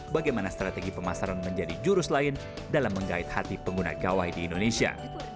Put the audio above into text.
bagaimana strategi pemasaran menjadi jurus lain dalam menggait hati pengguna gawai di indonesia